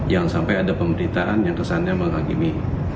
jangan sampai ada pemberitaan yang kesannya menghakimi